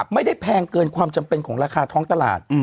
แพงเกินความจำเป็นของราคาท้องตลาด